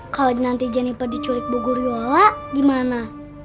kalau nanti jeniper diculik bogor yola gimana